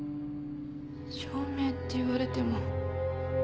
証明って言われても。